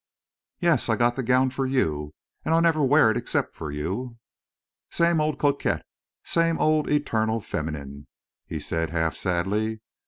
"Yes. I got the gown for you. And I'll never wear it except for you." "Same old coquette—same old eternal feminine," he said, half sadly.